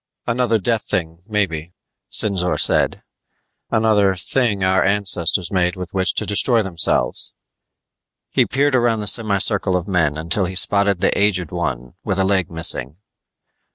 "Another death thing, maybe," Sinzor said. "Another 'thing our ancestors made with which to destroy themselves." He peered around the semi circle of men until he spotted the aged one with a leg missing.